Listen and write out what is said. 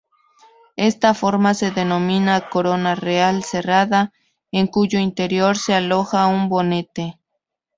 Esta forma se denomina corona real cerrada, en cuyo interior se aloja un bonete.